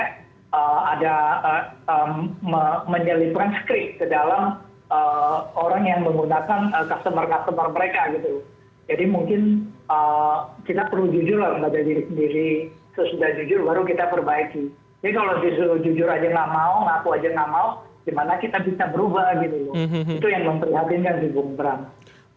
itu yang memprihatinkan di bung bram